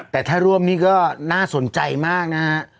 แต่ถ้าร่วมนี่ก็น่าสนใจมากนะฮะ